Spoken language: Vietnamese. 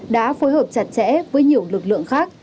đã phối hợp chặt chẽ với nhiều lực lượng khác